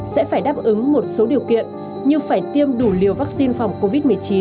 sẽ phải đáp ứng một số điều kiện như phải tiêm đủ liều vaccine phòng covid một mươi chín